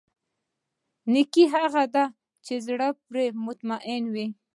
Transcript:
نېکي هغه ده چې زړه پرې مطمئن وي.